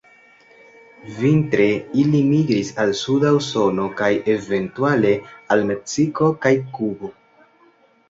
Vintre ili migris al suda Usono kaj eventuale al Meksiko kaj Kubo.